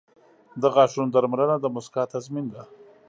• د غاښونو درملنه د مسکا تضمین ده.